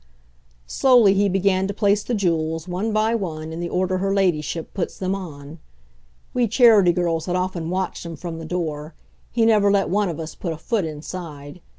Slowly he began to place the jewels, one by one, in the order her Ladyship puts them on. We Charity girls had often watched him from the door he never let one of us put a foot inside.